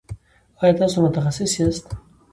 ایا تاسو متخصص یاست؟